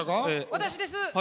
私です。